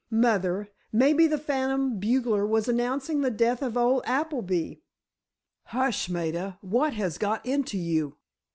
Mother, maybe the phantom bugler was announcing the death of old Appleby!" "Hush, Maida! What has got into you?"